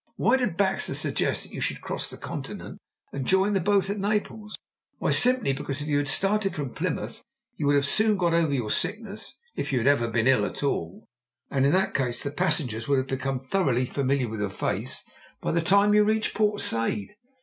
Why did Baxter suggest that you should cross the Continent and join the boat at Naples? Why, simply because if you had started from Plymouth you would soon have got over your sickness, if you had ever been ill at all, and in that case the passengers would have become thoroughly familiar with your face by the time you reached Port Said.